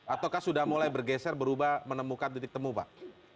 ataukah sudah mulai bergeser berubah menemukan titik temu pak